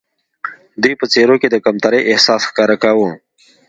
دوی په څېرو کې د کمترۍ احساس ښکاره کاوه.